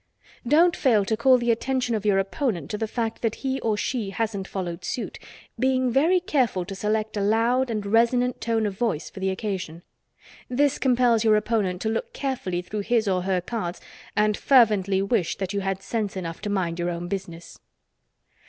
Don't fail to call the attention of your opponent to the fact that he or she hasn't followed suit, being very careful to select a loud and resonant tone of voice for the occasion. This compels your opponent to look carefully through his or her cards and fervently wish that you had sense enough to mind your own business.